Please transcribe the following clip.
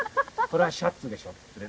これはシャツでしょ」って。